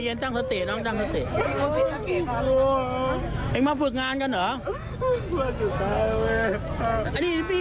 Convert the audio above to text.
คนไทยหมดเลยไหมนี่คนไทยหมดเลยไหม